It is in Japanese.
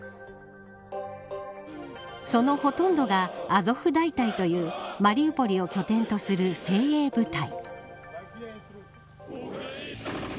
そのほとんどがアゾフ大隊というマリウポリを拠点とする精鋭部隊。